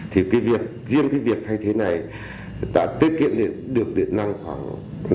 thì riêng việc thay thế này đã tiết kiệm được điện năng khoảng năm mươi